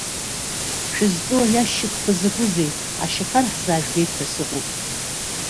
Шәызҵоу аиашьыкьқәа закәызеи, ашьақар ҳзаажәгеит ҳәа сыҟоуп?